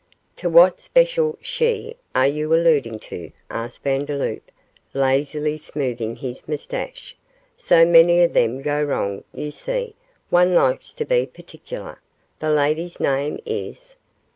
'To what special "she" are you alluding to?' asked Vandeloup, lazily smoothing his moustache; 'so many of them go wrong, you see, one likes to be particular. The lady's name is